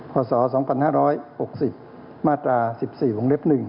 ข้อสอ๒๕๖๐มาตรา๑๔วงเล็บ๑